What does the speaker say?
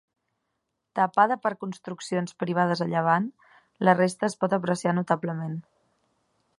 Tapada per construccions privades a llevant, la resta es pot apreciar notablement.